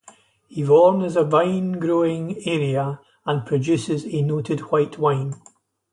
Yvorne is a vine-growing area and produces a noted white wine.